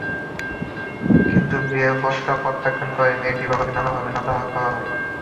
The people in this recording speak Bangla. কিন্তু বিয়ের প্রস্তাব প্রত্যাখ্যান করায় মেয়েটির বাবাকে নানাভাবে নাজেহাল করা হয়।